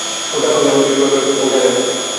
ওর রাগ হবে এমনকিছুর ব্যাপারে ও জানে না।